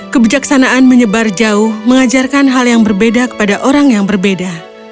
kebijaksanaan menyebar jauh mengajarkan hal yang berbeda kepada orang yang berbeda